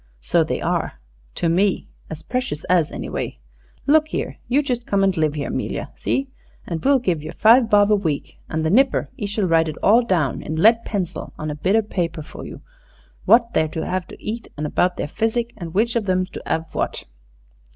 "So they are to me as precious as, anyway. Look here, you just come and live 'ere, 'Melia see? An' we'll give yer five bob a week. An' the nipper 'e shall write it all down in lead pencil on a bit o' paper for you, what they're to 'ave to eat an' about their physic and which of 'em's to have what."